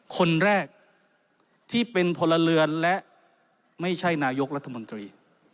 คนแรกที่เป็นพลเรือนและไม่ใช่นายกรัฐมนตรี